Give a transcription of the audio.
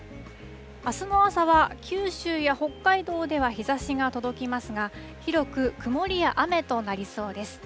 あすの朝は、九州や北海道では日ざしが届きますが、広く曇りや雨となりそうです。